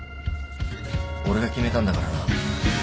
俺が決めたんだからな。